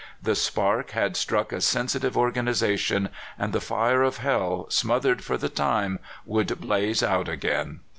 The spark had struck a sensitive organization, and the fire of hell, smoth ered for the time, would blaze out again.